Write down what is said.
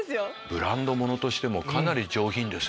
ブランド物としてもかなり上品。